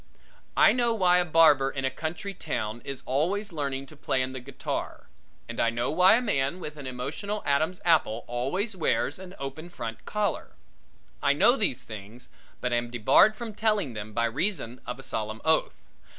I know why a barber in a country town is always learning to play on the guitar and I know why a man with an emotional Adam's apple always wears an open front collar. I know these things, but am debarred from telling them by reason of a solemn oath.